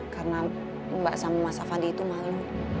karena mbak sama mas avandi itu malu